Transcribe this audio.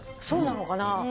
そうなのかな？